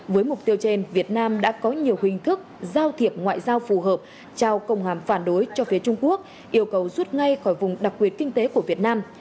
với mục tiêu trên việt nam đã có nhiều hình thức giao thiệp ngoại giao phù hợp trao công hàm phản đối cho phía trung quốc yêu cầu rút ngay khỏi vùng đặc biệt kinh tế của việt nam